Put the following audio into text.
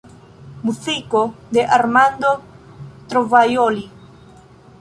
Muziko de Armando Trovajoli.